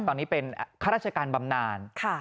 ตอนนี้เป็นข้าราชการบำนาน